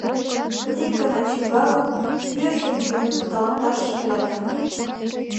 Ик гана чӱҥгалын, вӱржым йӱын кудалташ ыле да...